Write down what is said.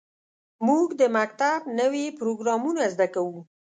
موږ د مکتب نوې پروګرامونه زده کوو.